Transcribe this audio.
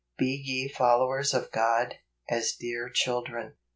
" Be ye followers of God , as dear children."